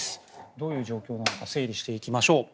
どういう状況か整理していきましょう。